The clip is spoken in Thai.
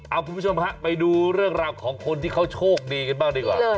เอาคุณผู้ชมฮะไปดูเรื่องราวของคนที่เขาโชคดีกันบ้างดีกว่า